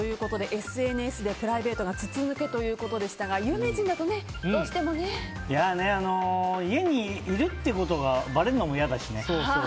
ＳＮＳでプライベートが筒抜けということでしたが有名人だと家にいるってことがばれるのも嫌だしね。